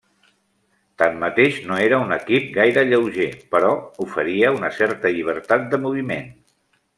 Tanmateix no era un equip gaire lleuger, però oferia una certa llibertat de moviment.